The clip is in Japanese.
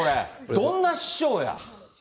どんな師匠や。